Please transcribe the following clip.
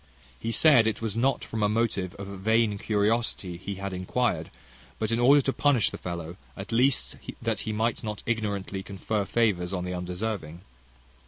He said, it was not from a motive of vain curiosity he had inquired, but in order to punish the fellow; at least, that he might not ignorantly confer favours on the undeserving.